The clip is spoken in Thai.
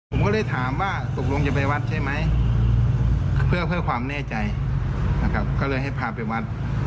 ผมก็เลยถามว่าตกลงจะไปวัดใช่ไหมเพื่อความแน่ใจนะครับก็เลยให้พาไปวัด